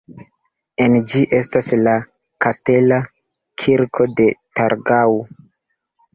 En ĝi estas la Kastela kirko de Torgau.